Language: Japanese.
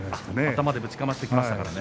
頭でぶちかましてきましたからね。